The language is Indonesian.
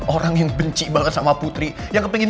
orang yang benci banget sama putri yang kepengen